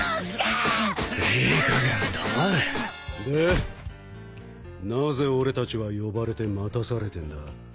でなぜ俺たちは呼ばれて待たされてんだ？